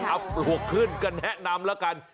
อับหลวกขึ้นก็แนะนำละกัน